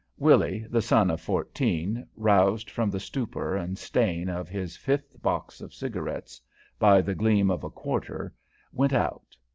Willy, the son of fourteen, roused from the stupor and stain of his fifth box of cigarettes by the gleam of a quarter, went out.